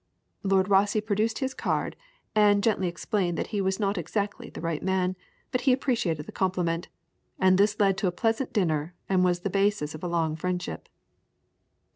Lord Rosse produced his card, and gently explained that he was not exactly the right man, but he appreciated the compliment, and this led to a pleasant dinner, and was the basis of a long friendship.